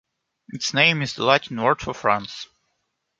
Its name is the Latin word for France.